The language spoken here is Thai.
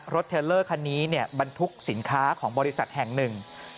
เทลเลอร์คันนี้บรรทุกสินค้าของบริษัทแห่งหนึ่ง